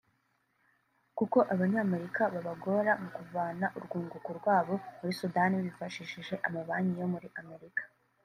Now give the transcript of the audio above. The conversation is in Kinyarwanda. kuko Abanyamerika babagora mu kuvana urwunguko rwabo muri Sudani bifashishije amabanki yo muri Amerika”